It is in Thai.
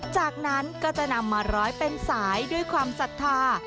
จากนั้นก็จะนำมาร้อยเป็นสายด้วยความศรัทธา